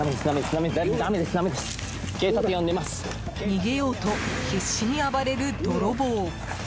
逃げようと必死に暴れる泥棒。